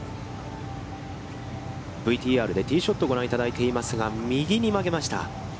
ＶＴＲでティーショットをご覧いただいていますが、右に曲げました。